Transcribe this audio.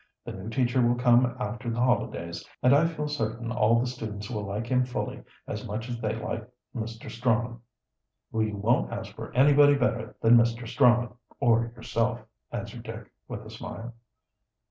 The new teacher will come after the holidays, and I feel certain all the students will like him fully as much as they like Mr. Strong." "We won't ask for anybody better than Mr. Strong or yourself," answered Dick, with a smile.